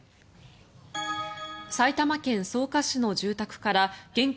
埼玉県草加市の住宅から現金